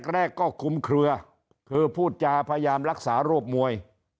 แรกก็คุมเคลือคือพูดจาพยายามรักษาโรคมวย